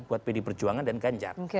buat pdi perjuangan dan ganjar